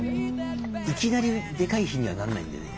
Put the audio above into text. いきなりでかい火にはなんないんでね。